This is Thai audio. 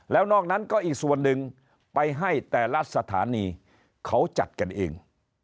แล้วนอกนั้นก็อีกส่วนหนึ่งไปให้แต่ละสถานีเขาจัดกันเอง